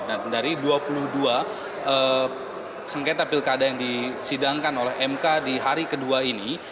nah dari dua puluh dua sengketa pilkada yang disidangkan oleh mk di hari kedua ini